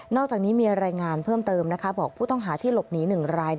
อกจากนี้มีรายงานเพิ่มเติมนะคะบอกผู้ต้องหาที่หลบหนี๑ราย